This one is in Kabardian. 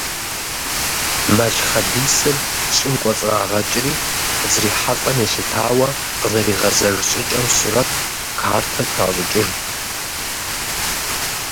Малъхъэдисыр щӀым кӀуэцӀрагъэкӀри, зрихьэлӀэм елъытауэ къызэригъэзэж щӀыкӀэм сурэт, картэ тращӀыкӀыж.